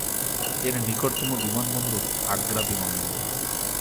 এর নিকটতম বিমানবন্দর আগ্রা বিমানবন্দর।